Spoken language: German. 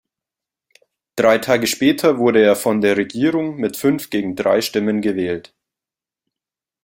Drei Tage später wurde er von der Regierung mit fünf gegen drei Stimmen gewählt.